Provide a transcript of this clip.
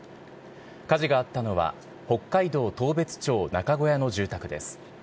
火事があったのは、北海道当別町中小屋の住宅です。